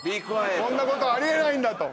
こんなことあり得ないんだと。